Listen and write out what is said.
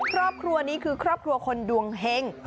ครอบครัวนี้คือครอบครัวคนดวงเฮง